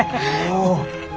お！